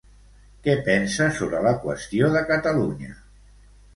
Què pensa sobre la qüestió de Catalunya?